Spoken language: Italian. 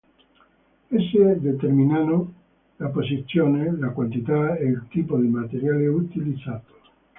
Esse determinano la posizione, la quantità e il tipo di materiale utilizzato.